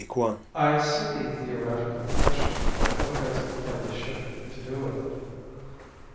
"I see the theoretical question but what has Achilles' Ship to do with it?"